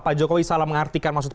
pak jokowi salah mengartikan maksudnya